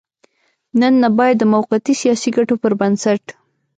نن نه بايد د موقتي سياسي ګټو پر بنسټ.